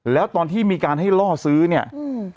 แล้วตอนที่มีการให้ล่อซื้อเนี่ยอืม